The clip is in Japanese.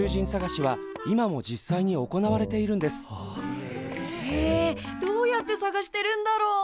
へえどうやって探してるんだろう。